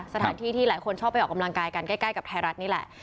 สถานที่ที่หลายคนชอบไปออกกำลังกายกันใกล้กับไทยรัฐนี่แหละ